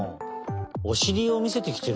おしりをみせてきてる！